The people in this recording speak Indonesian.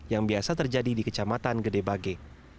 yang biasa terjadi di kecamatan gede bage